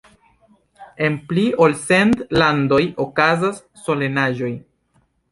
En pli ol cent landoj okazas solenaĵoj.